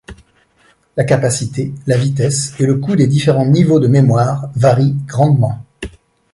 La capacité, la vitesse et le coût des différents niveaux de mémoire varient grandement.